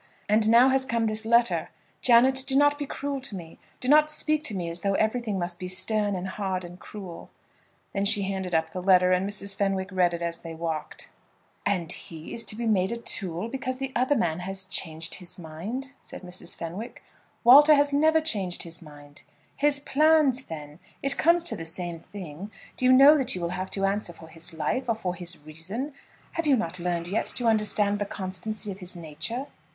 And now has come this letter. Janet, do not be cruel to me. Do not speak to me as though everything must be stern and hard and cruel." Then she handed up the letter, and Mrs. Fenwick read it as they walked. "And is he to be made a tool, because the other man has changed his mind?" said Mrs. Fenwick. "Walter has never changed his mind." "His plans, then. It comes to the same thing. Do you know that you will have to answer for his life, or for his reason? Have you not learned yet to understand the constancy of his nature?"